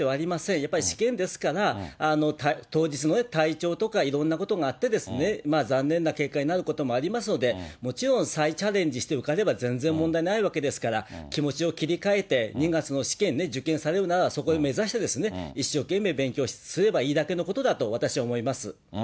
やっぱり試験ですから、当日の体調とか、いろんなことがあって、残念な結果になることもありますので、もちろん、再チャレンジして受かれば全然問題ないわけですから、気持ちを切り替えて、２月の試験、受験されるなら、そこを目指してですね、一生懸命勉強すればいいだけのことだと、私は思います。